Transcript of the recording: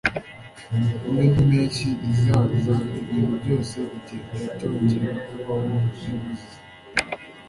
hamwe nimpeshyi izaza, ibintu byose bigenda byongera kubaho mubuzima